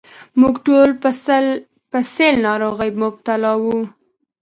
موږ ټول په سِل ناروغۍ مبتلا وو.